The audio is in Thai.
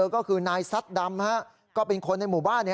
ก็คือนายซัดดำก็เป็นคนในหมู่บ้าน